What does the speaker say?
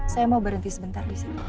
saya mau berhenti sebentar disini